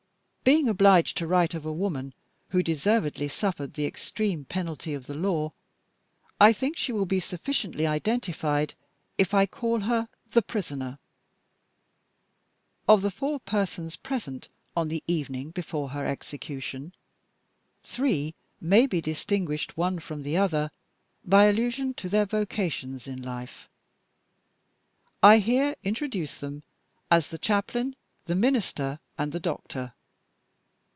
Being obliged to write of a woman who deservedly suffered the extreme penalty of the law, I think she will be sufficiently identified if I call her The Prisoner. Of the four persons present on the evening before her execution three may be distinguished one from the other by allusion to their vocations in life. I here introduce them as The Chaplain, The Minister, and The Doctor.